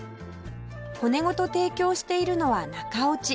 骨ごと提供しているのは中落ち